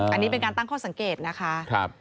อันนี้เป็นการตั้งข้อสังเกตนะคะ